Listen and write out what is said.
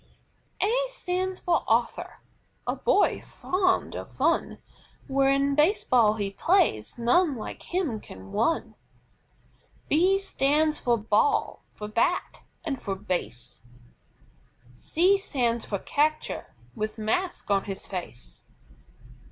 C. A stands for ARTHUR, a boy fond of fun, When Base Ball he plays, none like him can run. B stands for BALL, for BAT, and for BASE. C stands for CATCHER, with mask on his face.